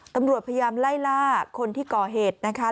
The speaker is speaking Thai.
ตำรวจพยายามไล่ล่าคนที่ก่อเหตุนะคะ